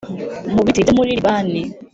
mu biti byo muri Libani.